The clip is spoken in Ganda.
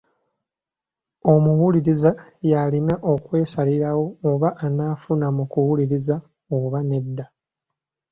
Omuwuliriza y’alina okwesalirawo oba anaafuna mu kuwuliriza oba nedda.